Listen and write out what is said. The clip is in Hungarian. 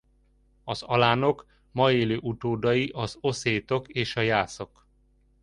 Az alánok ma élő utódai az oszétok és a jászok.